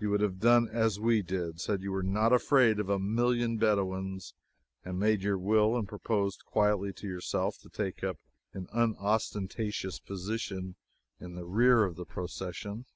You would have done as we did: said you were not afraid of a million Bedouins and made your will and proposed quietly to yourself to take up an unostentatious position in the rear of the procession.